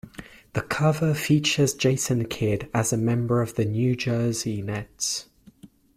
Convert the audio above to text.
The cover features Jason Kidd as a member of the New Jersey Nets.